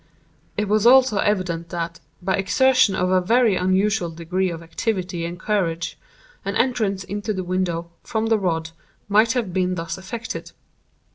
It was also evident that, by exertion of a very unusual degree of activity and courage, an entrance into the window, from the rod, might have been thus effected.